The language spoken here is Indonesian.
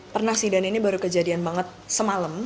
pernah sih dan ini baru kejadian banget semalam